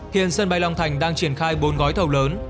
hiện sân bay long thành đang triển khai bốn gói thầu lớn